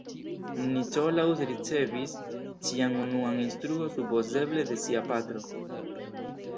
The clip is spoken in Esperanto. Nicolaus ricevis sian unuan instruo supozeble de sia patro.